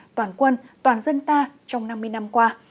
toàn quân toàn dân ta trong năm mươi năm qua